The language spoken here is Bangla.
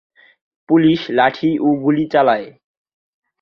পুলিশ লাঠি ও গুলি চালায়।